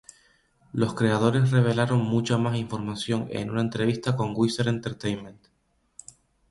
Los creadores revelaron mucha más información en una entrevista con Wizard Entertainment.